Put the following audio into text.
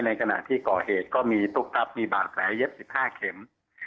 ในขณะที่ก่อเหตุก็มีตุ๊กตั๊บมีบาดแผลเย็บ๑๕เข็ม